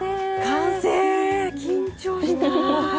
完成緊張した！